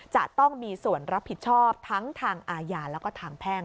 จะต้องมีส่วนรับผิดชอบทั้งทางอาญาแล้วก็ทางแพ่ง